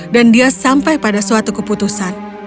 dan dia sampai pada suatu keputusan